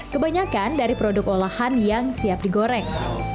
kebanyakan dari produk olahan yang siap digoreng